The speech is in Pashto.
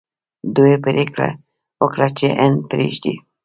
دوی پریکړه وکړه چې هند پریږدي.